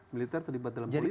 militer terlibat dalam politik